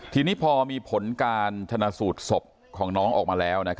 ทีนี้พอมีผลการชนะสูตรศพของน้องออกมาแล้ว